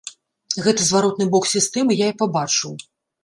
Гэты зваротны бок сістэмы я і пабачыў.